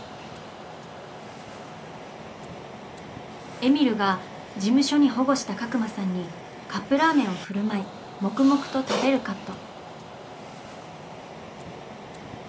えみるが事務所に保護した角間さんにカップラーメンを振る舞い黙々と食べるカット。